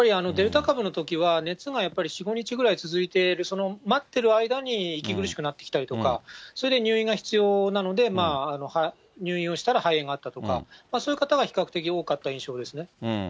デルタ株のときは、熱がやっぱり４、５日ぐらい続いているその待っている間に、息苦しくなってきたりとか、それで入院が必要なので、入院をしたら肺炎があったとか、そういう方が比較的多かった印象ですね。